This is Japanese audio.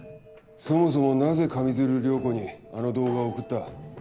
そもそもなぜ上水流涼子にあの動画を送った？